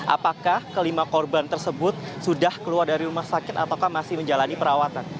apakah kelima korban tersebut sudah keluar dari rumah sakit atau masih menjalani perawatan